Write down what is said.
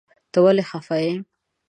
ته ولی خپه یی ؟